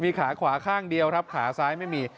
ขาขวาข้างเดียวครับขาซ้ายไม่มี